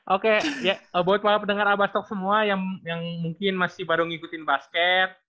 oke buat para pendengar abastok semua yang mungkin masih baru ngikutin basket